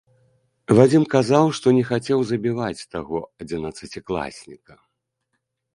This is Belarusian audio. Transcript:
Вадзім казаў, што не хацеў забіваць таго адзінаццацікласніка.